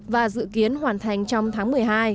và dự kiến hoàn thành trong tháng một mươi hai